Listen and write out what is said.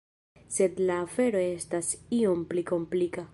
Sed la afero estas iom pli komplika.